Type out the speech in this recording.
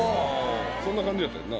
そんな感じやったやんな？